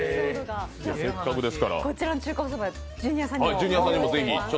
こちらの中華そば、ジュニアさんにも。